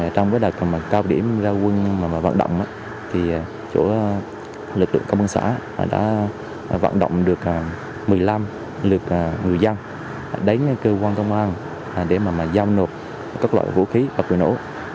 trong cái đại cầm cao điểm ra quân vận động lực lượng công an xã đã vận động được một mươi năm lực người dân đánh cơ quan công an để giao nộp các loại vũ khí và quyền ổ